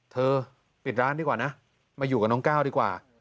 ปิดร้านดีกว่านะมาอยู่กับน้องก้าวดีกว่า